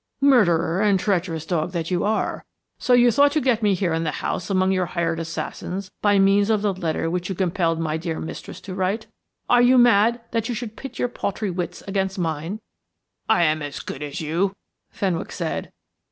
Murderer and treacherous dog that you are, so you thought to get me here in the house among your hired assassins by means of the letter which you compelled my dear mistress to write? Are you mad that you should pit your paltry wits against mine?" "I am as good as you," Fenwick said.